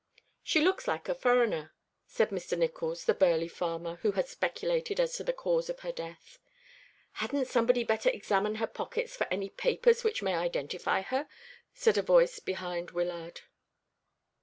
"She looks like a furriner," said Mr. Nicholls, the burly farmer who had speculated as to the cause of her death. "Hadn't somebody better examine her pockets for any papers which may identify her?" said a voice behind Wyllard.